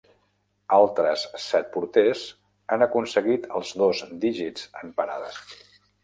Altres set porters han aconseguit els dos dígits en parades.